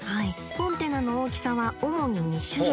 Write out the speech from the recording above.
コンテナの大きさは主に２種類。